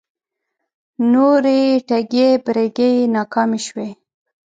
نورې ټگۍ برگۍ یې ناکامې شوې